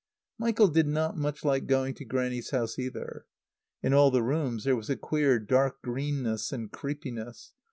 Michael did not much like going to Grannie's house either. In all the rooms there was a queer dark greenness and creepiness.